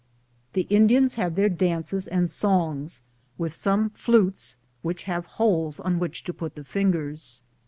1 The Indians have their dances and songs, with some flutes which have holes on which to put the fingers.